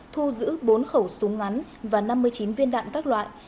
thu giữ bốn khẩu súng ngắn và năm mươi chín viên đạn các loại